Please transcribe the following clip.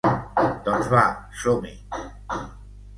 Doncs va, som-hi.